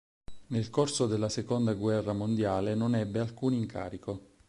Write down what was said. Nel corso della Seconda guerra mondiale non ebbe alcun incarico.